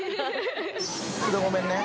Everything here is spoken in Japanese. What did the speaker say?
ちょっとごめんね。